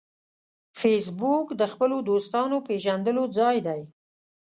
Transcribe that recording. فېسبوک د خپلو دوستانو پېژندلو ځای دی